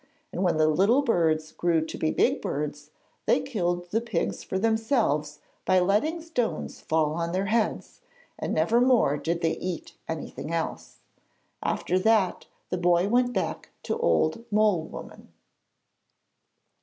And when the little birds grew to be big birds, they killed the pigs for themselves by letting stones fall on their heads, and never more did they eat anything else. After that the boy went back to Old Mole woman.